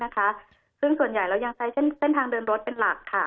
ซึ่งส่วนใหญ่เรายังใช้เส้นทางเดินรถเป็นหลักค่ะ